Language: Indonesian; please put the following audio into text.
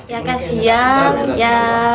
ya kasihan ya